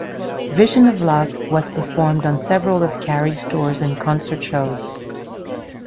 "Vision of Love" was performed on several of Carey's tours and concert shows.